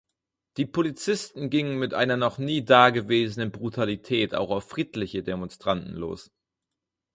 Die Polizisten gingen mit einer noch nie dagewesenen Brutalität auch auf friedliche Demonstranten los.